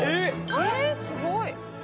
えっすごい。